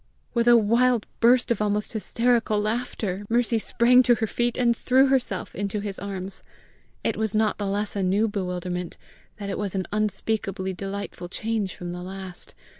With a wild burst of almost hysteric laughter, Mercy sprang to her feet, and threw herself in his arms. It was not the less a new bewilderment that it was an unspeakably delightful change from the last.